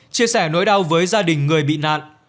chia sẻ nỗi đau với gia đình người bị nạn